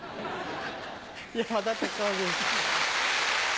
山田隆夫です。